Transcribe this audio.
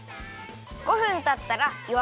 ５分たったらよ